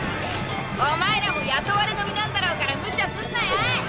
おまえらも雇われの身なんだろうから無茶すんなよ！